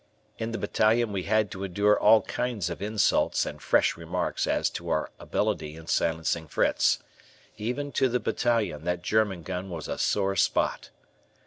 In the battalion we had to endure all kinds of insults and fresh remarks as to our ability in silencing Fritz. Even to the battalion that German gun was a sore spot.